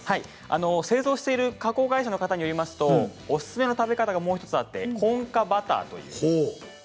製造をしている加工会社の方によりますとおすすめの食べ方がもう１つあってこんかバター。